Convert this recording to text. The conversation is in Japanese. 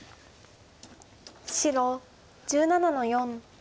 白１７の四。